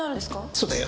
そうだよ。